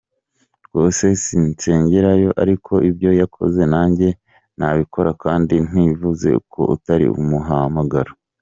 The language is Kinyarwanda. rwose sinsengerayo ariko ibyo yakoze nanjye nabikora kandi ntibivuzeko utakiri mu muhamagaro.